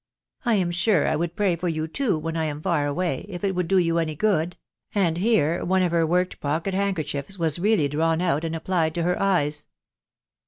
" I am sure I would pray for you too, when I am far away, if it would do you any good ;" and here one of her worked pocket handkerchiefs was really drawn out, and applied to her eyes.